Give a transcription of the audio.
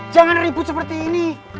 jangan ribut seperti ini